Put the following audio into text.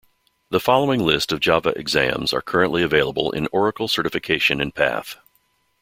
The following list of Java exams are currently available in Oracle certification and path.